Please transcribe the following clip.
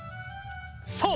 そう！